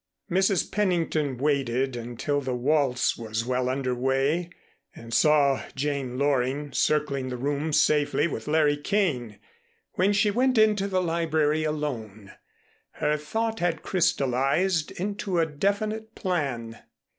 Mrs. Pennington waited until the waltz was well under way and saw Jane Loring circling the room safely with Larry Kane, when she went into the library alone. Her thought had crystallized into a definite plan.